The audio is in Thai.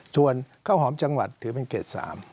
ส่วนข้าวหอมจังหวัดถือเป็นเขต๓